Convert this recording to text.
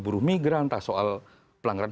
buruh migran entah soal pelanggaran